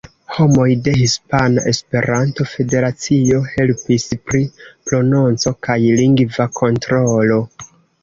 Homoj de Hispana Esperanto-Federacio helpis pri prononco kaj lingva kontrolo.